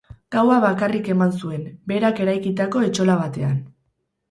Gaua bakarrik eman zuen, berak eraikitako etxola batean.